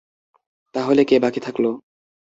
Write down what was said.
তাহলে কে বাকি থাকল?